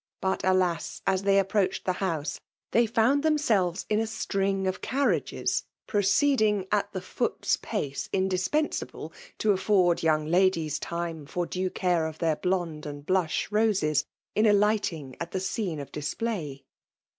But, alas ! as they approached the house, they ftmni ihemselres m a string of carriages proceeding at the foot's pace indispensable to afford ^ung ladies time for due care of their blonde aild blush roses, in alighting at the scene of dlkh play.